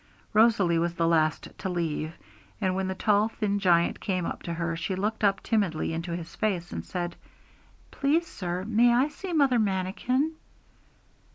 Rosalie was the last to leave, and when the tall thin giant came up to her, she looked up timidly into his face and said 'Please, sir, may I see Mother Manikin?'